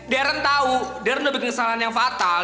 darren tau darren udah bikin kesalahan yang fatal